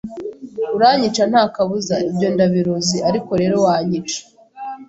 Uranyica nta kabuza, ibyo ndabiruzi Ariko rero wanyica